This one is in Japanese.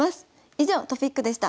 以上トピックでした。